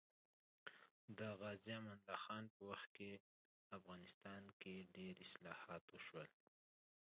د غازي امان الله خان په وخت کې افغانستان کې ډېر اصلاحات وشول